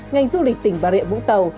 ngành du lịch tỉnh bà rịa vũng tàu